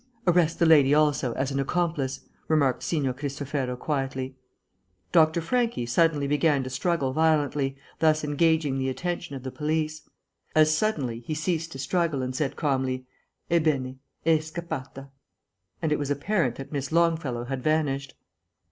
"Arrest the lady also, as an accomplice," remarked Signor Cristofero quietly. Dr. Franchi suddenly began to struggle violently, thus engaging the attention of the police. As suddenly, he ceased to struggle, and said calmly, "Ebbene. E scappata," and it was apparent that Miss Longfellow had vanished.